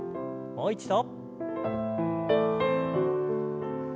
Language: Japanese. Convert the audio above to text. もう一度。